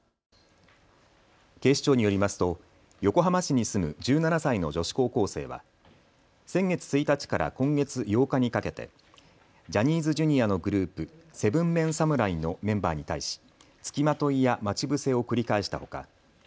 警視庁によりますと横浜市に住む１７歳の女子高校生は先月１日から今月８日にかけてジャニーズＪｒ．のグループ、７ＭＥＮ侍のメンバーに対し付きまといや待ち伏せを繰り返したほか